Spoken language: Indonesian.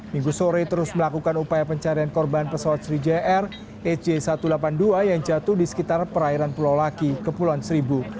minggu sore terus melakukan upaya pencarian korban pesawat sri jaya air ec satu ratus delapan puluh dua yang jatuh di sekitar perairan pulau laki kepulauan seribu